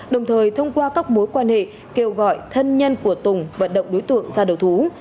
đồng thời thông qua các mối quan hệ kêu gọi thân nhân của tùng vận động đối tượng ra đầu thú